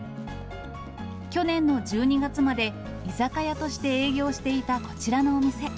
去年の１２月まで、居酒屋として営業していたこちらのお店。